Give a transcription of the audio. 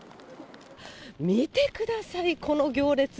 見てください、この行列。